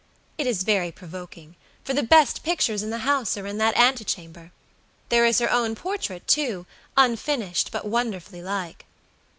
It is very provoking, for the best pictures in the house are in that antechamber. There is her own portrait, too, unfinished but wonderfully like."